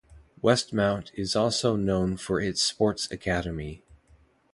Westmount is also known for its Sports Academy.